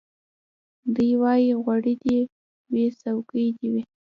دی وايي غوړي دي وي څوکۍ دي وي